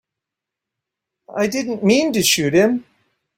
I didn't mean to shoot him.